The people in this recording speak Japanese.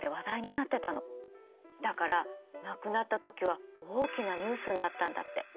だから亡くなった時は大きなニュースになったんだって。